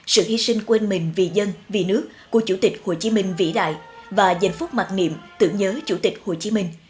sự hy sinh quên mình vì dân vì nước của chủ tịch hồ chí minh vĩ đại và giành phúc mạc niệm tưởng nhớ chủ tịch hồ chí minh